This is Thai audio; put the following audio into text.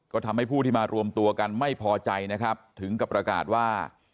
ก็ทำให้ผู้ที่มารวมตัวกันไม่พอใจนะครับถึงกับประกาศว่า